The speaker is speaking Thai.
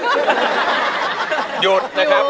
หยุดนะครับ